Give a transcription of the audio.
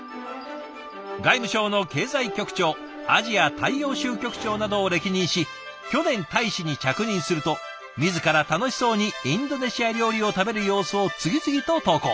外務省の経済局長アジア大洋州局長などを歴任し去年大使に着任すると自ら楽しそうにインドネシア料理を食べる様子を次々と投稿。